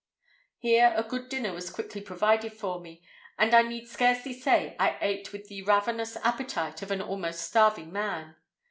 Here a good dinner was quickly provided for me, and I need scarcely say I ate with the ravenous appetite of an almost starving man.